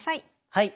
はい。